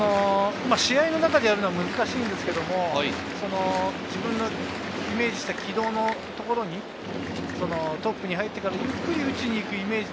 試合の中でやるのは難しいんですけれど、自分のイメージした軌道のところにトップに入ってからゆっくり打ちにくいイメージ。